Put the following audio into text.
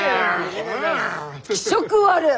気色悪い！